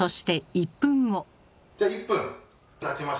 じゃあ１分たちました。